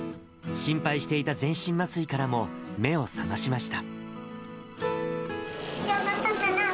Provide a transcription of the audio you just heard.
心配していた全身麻酔からも目を覚ましました。